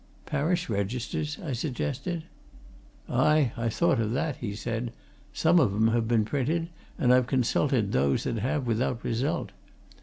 "Parish registers?" I suggested. "Aye, I thought of that," he said. "Some of 'em have been printed, and I've consulted those that have, without result.